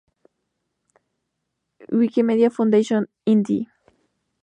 Wikimedia Foundation, n.d.